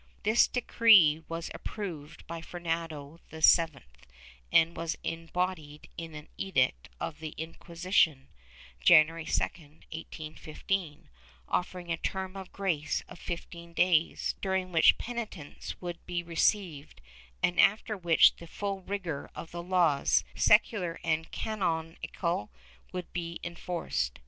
This decree was approved l^y Fernando VII and was embodied in an edict of tlie Incjuisition, January 2, 1815, offering a Term of Grace of fifteen days, chiring which penitents would be received and after which tlie full rigor of the laws, secular and canonical, would be enforced.